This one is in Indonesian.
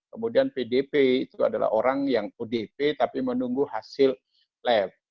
kemudian pdp itu adalah orang yang odp tapi menunggu hasil lab